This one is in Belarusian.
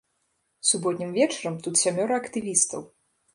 Суботнім вечарам тут сямёра актывістаў.